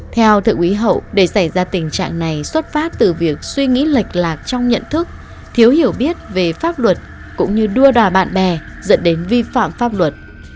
theo thượng úy hậu để xảy ra tình trạng này xuất phát từ việc suy nghĩ lệch lạc trong nhận thức thiếu hiểu biết về pháp luật cũng như đua đòi bạn bè dẫn đến vi phạm pháp luật